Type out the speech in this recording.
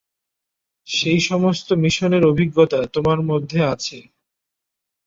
সেই সমস্ত মিশনের অভিজ্ঞতা তোমার মধ্যে আছে।